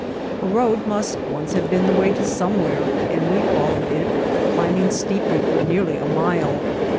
A road must once have been the way to some where, and we followed it, climbing steeply for nearly a mile.